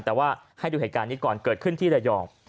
แต่ว่าให้ดูเหตุการณ์นี้ก่อนเกิดขึ้นที่ระยอง